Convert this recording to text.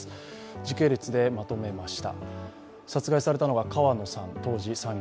時系列でまとめました。